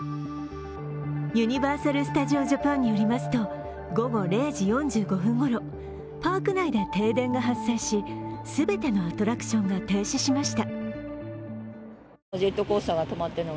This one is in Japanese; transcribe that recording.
ユニバーサル・スタジオ・ジャパンによりますと午後０時４５分ごろパーク内で停電が発生し全てのアトラクションが停止しました。